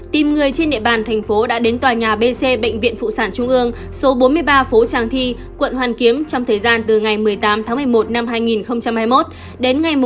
tìm người trên địa bàn thành phố đã đến tòa nhà bc bệnh viện phụ sản trung ương số bốn mươi ba phố trang thi quận hoàn kiếm trong thời gian từ ngày một mươi tám tháng một mươi một năm hai nghìn hai mươi một